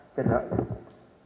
dan rakyat saya